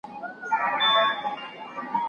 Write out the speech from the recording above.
څوک نیژدې نه راښکاریږي